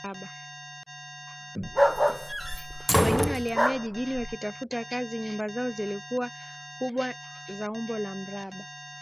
Wengine walihamia jijini wakitafuta kazi nyumba zao zilikuwa kubwa na za umbo la mraba